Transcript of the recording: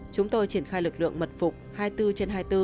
chúng tôi triển khai lực lượng mật phục hai mươi bốn trên hai mươi bốn